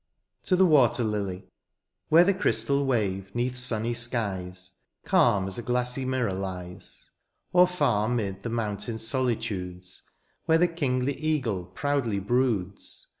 TO THE WATER LILY. Where the crystal wave, ^neath sunny skies. Calm as a glassy mirror lies ; Or fsur ^mid the mountain soUtudes, Where the kingly eagle proudly broods.